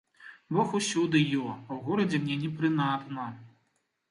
Бог усюды ё, а ў горадзе мне не прынадна.